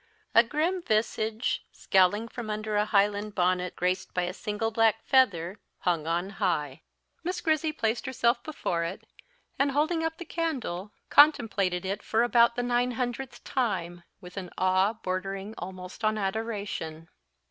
A grim visage, scowling from under a Highland bonnet, graced by a single black feather, hung on high. Miss Grizzy placed herself before it, and, holding up the candle, contemplated it for about the nine hundredth time, with an awe bordering almost on adoration.